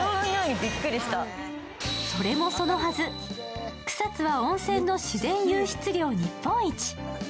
それもそのはず、草津は温泉の自然湧出量日本一。